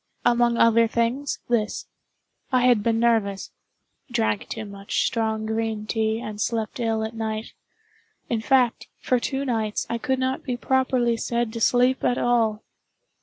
Among other things, this: I had been nervous—drank too much strong green tea, and slept ill at night—in fact, for two nights I could not be properly said to sleep at all.